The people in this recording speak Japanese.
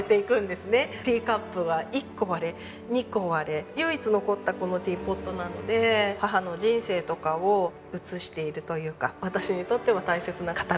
ティーカップが１個割れ２個割れ唯一残ったこのティーポットなので母の人生とかを映しているというか私にとっては大切な形見。